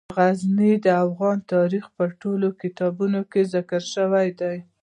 غزني د افغان تاریخ په ټولو کتابونو کې ذکر شوی دی.